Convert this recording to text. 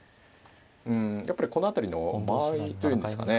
うんやっぱりこの辺りの間合いと言うんですかね